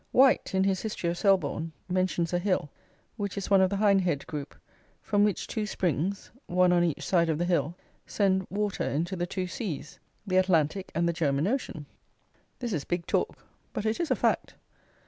White, in his history of Selborne, mentions a hill, which is one of the Hindhead group, from which two springs (one on each side of the hill) send water into the two seas: the Atlantic and the German Ocean! This is big talk: but it is a fact.